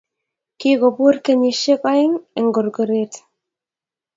kikopur kenyishiek aen en gorgoret